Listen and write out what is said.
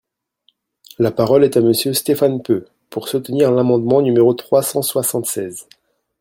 La parole est à Monsieur Stéphane Peu, pour soutenir l’amendement numéro trois cent soixante-seize.